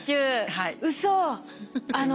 はい。